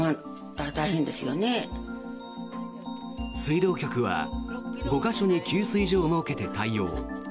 水道局は５か所に給水所を設けて対応。